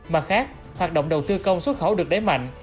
mặt khác hoạt động đầu tư công xuất khẩu được đẩy mạnh